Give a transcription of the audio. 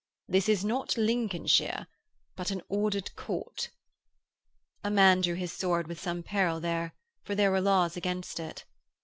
This is not Lincolnshire, but an ordered Court.' A man drew his sword with some peril there, for there were laws against it.